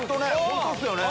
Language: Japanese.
本当ですよね！